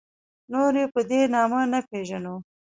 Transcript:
نور یې په دې نامه نه پېژنو.